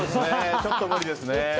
ちょっと無理ですね。